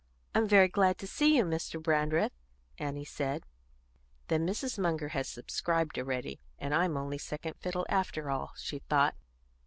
"I'm very glad to see you, Mr. Brandreth," Annie said. "Then Mrs. Munger has subscribed already, and I'm only second fiddle, after all," she thought.